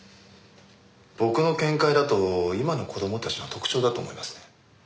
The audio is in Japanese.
僕の見解だと今の子供たちの特徴だと思いますね。